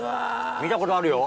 見たことあるよ。